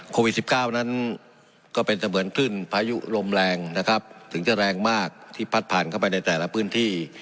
โควิด๑๙นั้นก็เป็นเสมือนขึ้นพายุลมแรงนะครับถึงจะแรงมากที่พัดผ่านเข้าไปในแต่ละพื้นที่